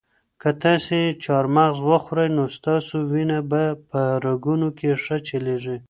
که تاسي چهارمغز وخورئ نو ستاسو وینه به په رګونو کې ښه چلیږي.